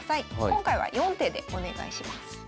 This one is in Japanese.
今回は４手でお願いします。